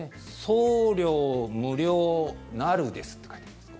送料無料なるですって書いてあります。